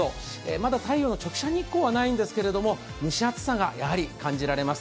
まだ太陽の直射日光はないんですけども、蒸し暑さがやはり感じられます。